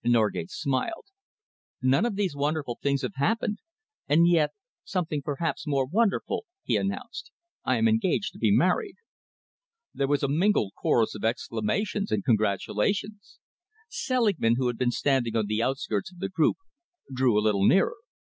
Norgate smiled. "None of these wonderful things have happened and yet, something perhaps more wonderful," he announced. "I am engaged to be married." There was a mingled chorus of exclamations and congratulations. Selingman, who had been standing on the outskirts of the group, drew a little nearer.